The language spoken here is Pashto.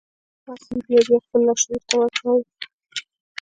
تاسې يې بيا بيا خپل لاشعور ته ورکوئ.